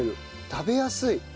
食べやすい。